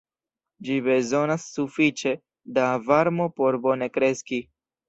Ĝi bezonas sufiĉe da varmo por bone kreski.